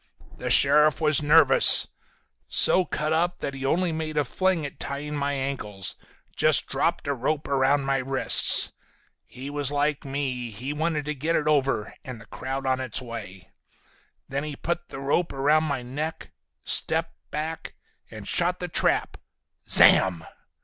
The sheriff was nervous. So cut up that he only made a fling at tying my ankles, just dropped a rope around my wrists. He was like me, he wanted to get it over, and the crowd on its way. Then he put the rope around my neck, stepped back and shot the trap. Zamm!